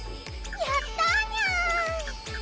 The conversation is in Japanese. やったニャン！